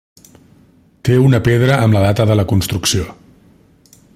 Té una pedra amb la data de la construcció.